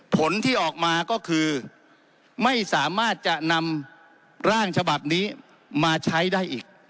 ผลที่ออกมาก็คือไม่สามารถจะนำร่างฉบับนี้มาใช้ได้อีก